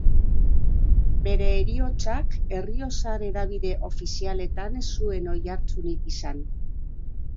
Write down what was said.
Bere heriotzak errioxar hedabide ofizialetan ez zuen oihartzunik izan.